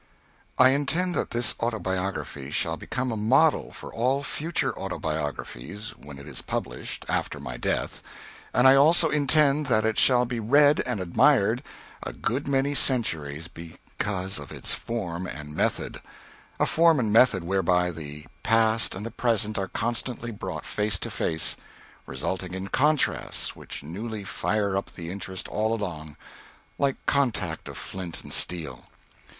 I intend that this autobiography shall become a model for all future autobiographies when it is published, after my death, and I also intend that it shall be read and admired a good many centuries because of its form and method a form and method whereby the past and the present are constantly brought face to face, resulting in contrasts which newly fire up the interest all along, like contact of flint with steel.